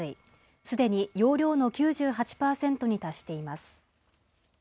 すでに容量の９８％に達しています。